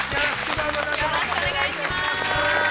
よろしくお願いします。